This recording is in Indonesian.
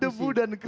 debu dan kristal